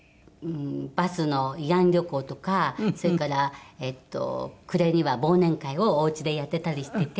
バスの慰安旅行とかそれから暮れには忘年会をおうちでやってたりしてて。